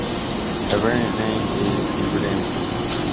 A variant name is Beaverdam Creek.